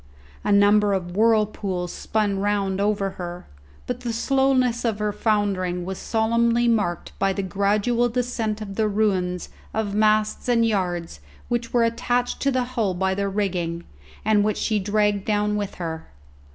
A number of whirlpools spun round over her, but the slowness of her foundering was solemnly marked by the gradual descent of the ruins of masts and yards which were attached to the hull by their rigging, and which she dragged down with her.